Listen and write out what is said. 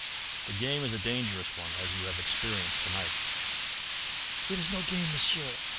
The game is a dangerous one, as you have experienced to night." "It is no game, Monsieur